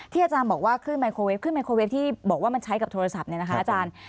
อาจารย์บอกว่าขึ้นไมโครเวฟขึ้นไมโครเวฟที่บอกว่ามันใช้กับโทรศัพท์เนี่ยนะคะอาจารย์